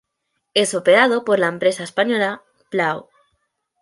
Es operado por la empresa española Blau.